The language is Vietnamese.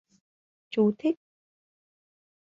Chú thích